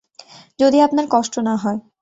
যদি আপনার কষ্ট না হয়।